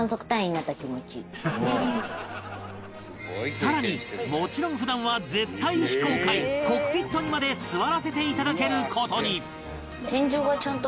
さらにもちろん普段は絶対非公開コックピットにまで座らせて頂ける事に